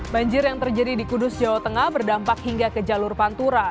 banjir yang terjadi di kudus jawa tengah berdampak hingga ke jalur pantura